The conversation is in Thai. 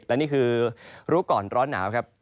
และนี่คือรู้ก่อนร้อนหนาวครับ